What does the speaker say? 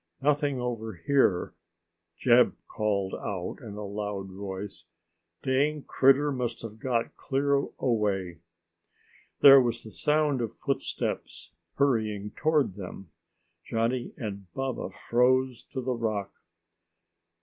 "Nothing over here!" Jeb called out in a loud voice. "Dang critter must have got clear away." There was the sound of footsteps hurrying toward them. Johnny and Baba froze to the rock.